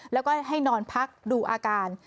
แล้วก็ให้นอนพักดูอาการ